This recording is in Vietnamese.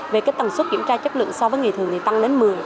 về tầng suất kiểm tra chất lượng so với nghề thường